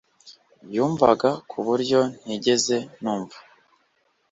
yumvaga ku buryo ntigeze numva